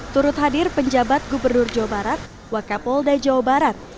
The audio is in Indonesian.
turut hadir penjabat gubernur jawa barat wakapolda jawa barat